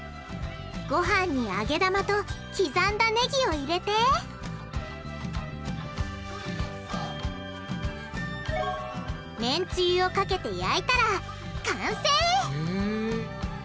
ごはんに揚げ玉と刻んだねぎを入れてめんつゆをかけて焼いたら完成！